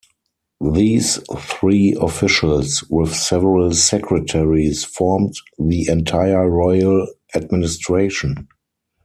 These three officials, with several secretaries, formed the entire royal administration.